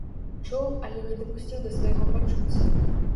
Чуў, але не дапусціў да свайго пачуцця.